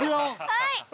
◆はい。